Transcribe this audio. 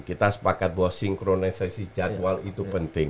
kita sepakat bahwa sinkronisasi jadwal itu penting